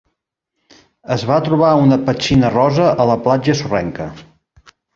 Es va trobar una petxina rosa a la platja sorrenca.